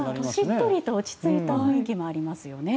しっとりと落ち着いた雰囲気がありますよね。